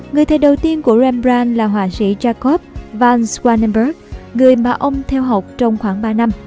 người thầy đầu tiên của rembrandt là họa sĩ jacob van swanenberg người mà ông theo học trong khoảng ba năm